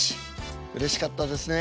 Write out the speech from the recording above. うれしかったですねえ。